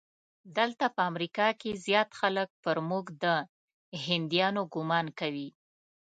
دلته په امریکا کې زیات خلک پر موږ د هندیانو ګومان کوي.